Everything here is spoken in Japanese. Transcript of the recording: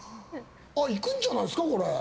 いくんじゃないですか、これ。